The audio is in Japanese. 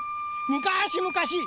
むかしむかし